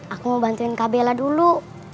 aku mau bantuin kak bella dulu